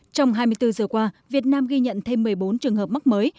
trong hai mươi bốn giờ qua việt nam ghi nhận thêm một mươi bốn trường hợp mắc mới